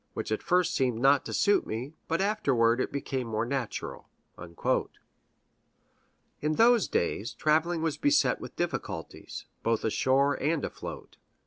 which at first seemed not to suit me, but afterward it became more natural." In those days, traveling was beset with difficulties, both ashore and afloat.